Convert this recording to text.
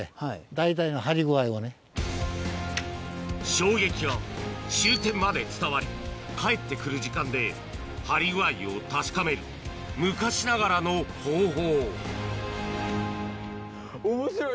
衝撃が終点まで伝わり返ってくる時間で張り具合を確かめる昔ながらの方法